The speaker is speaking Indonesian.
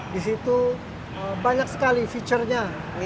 di situ banyak sekali feature nya